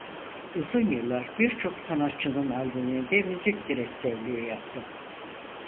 Uzun yıllar birçok sanatçının albümünde Müzik Direktörlüğü yaptı.